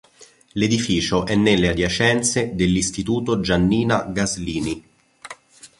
L'edificio è nelle adiacenze dell'istituto Giannina Gaslini.